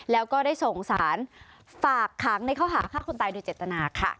แล้วก็ได้ส่งสารฝากขังในข้อหาฆ่าคนตายโดยเจตนาค่ะ